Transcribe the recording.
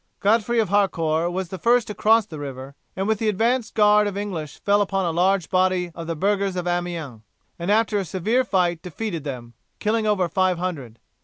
Godfrey of Harcourt was the first to cross the river, and with the advance guard of English fell upon a large body of the burghers of Amiens, and after a severe fight defeated them, killing over five hundred.